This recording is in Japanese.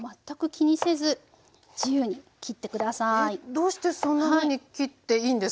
どうしてそんなふうに切っていいんですか？